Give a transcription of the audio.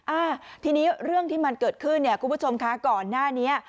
อ่าทีนี้เรื่องที่มันเกิดขึ้นเนี่ยคุณผู้ชมคะก่อนหน้านี้